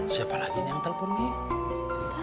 siapa lagi nih yang telepon dia